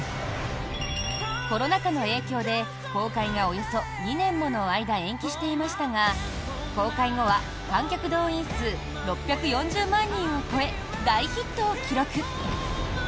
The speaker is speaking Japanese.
コロナ禍の影響で公開がおよそ２年もの間延期していましたが公開後は観客動員数６４０万人を超え大ヒットを記録。